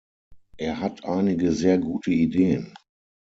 Er hat einige sehr gute Ideen.